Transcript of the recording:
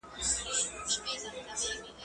زه پرون مړۍ خورم